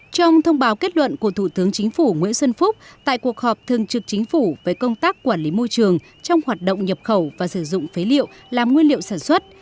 trong thông báo kết luận của thủ tướng chính phủ nguyễn xuân phúc tại cuộc họp thường trực chính phủ về công tác quản lý môi trường trong hoạt động nhập khẩu và sử dụng phế liệu làm nguyên liệu sản xuất